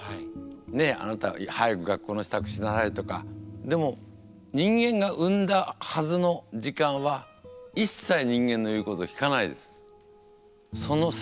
「あなた早く学校の支度しなさい」とかでも人間が生んだはずの時間は一切人間の言うことを聞かないです。